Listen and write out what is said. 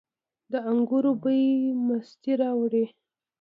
د انګورو بوی مستي راوړي.